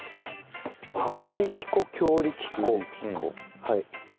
薄力粉強力粉はい。